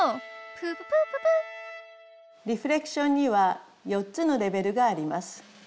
プーププーププリフレクションには４つのレベルがあります。